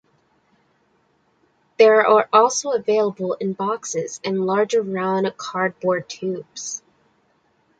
They are also available in boxes and larger round cardboard tubes.